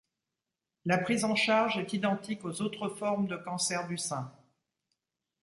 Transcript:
La prise en charge est identique aux autres formes de cancer du sein.